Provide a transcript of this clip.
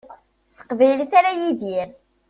S teqbaylit ara yidir.